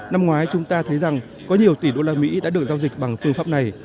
năm ngoái chúng ta thấy rằng có nhiều tỷ đô la mỹ đã được giao dịch bằng phương pháp này